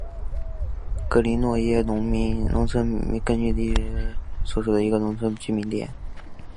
格林诺耶农村居民点是俄罗斯联邦别尔哥罗德州新奥斯科尔区所属的一个农村居民点。